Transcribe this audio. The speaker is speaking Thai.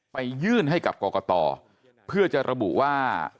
ไปยื่นให้กับกรกตเพื่อจะระบุว่า